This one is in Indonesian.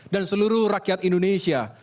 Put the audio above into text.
dan seluruh rakyat indonesia